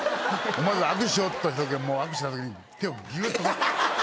まず握手しようとした時はもう握手した時に手をギュっと。